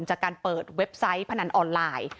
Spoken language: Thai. จากการเปิดเว็บไซต์พนันออนไลน์